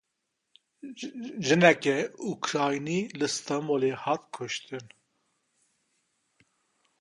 Jineke Ukraynî li Stenbolê hat kuştin.